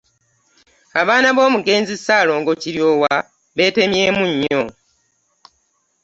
Abaana b'omugenzi Ssaalongo Kiryowa beetemyemu nnyo.